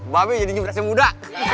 babe jadi nyuruh asing muda